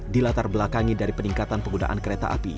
dilatar belakangi dari peningkatan penggunaan kereta api